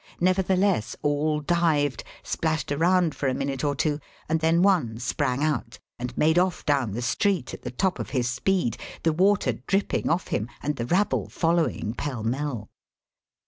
Nevertheless, all dived, splashed around for a minute or two, and then one sprang out and made off down the street at the top of his speed, the water dripping off him and the rabble following pell mell.